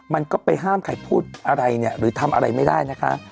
มันก็ไปห้ามใครพูดอะไรเนี่ยหรือทำอะไรไม่ได้นะคะ